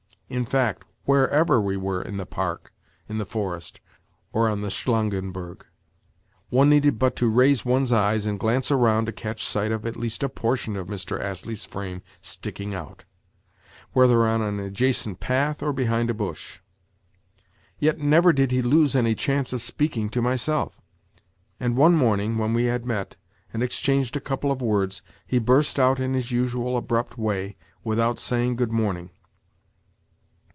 In fact, wherever we were in the Park, in the forest, or on the Shlangenberg—one needed but to raise one's eyes and glance around to catch sight of at least a portion of Mr. Astley's frame sticking out—whether on an adjacent path or behind a bush. Yet never did he lose any chance of speaking to myself; and, one morning when we had met, and exchanged a couple of words, he burst out in his usual abrupt way, without saying "Good morning."